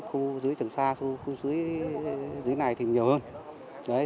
khu dưới trần xa khu dưới này thì nhiều hơn